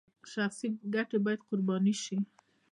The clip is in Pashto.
شخصي ګټې باید قرباني شي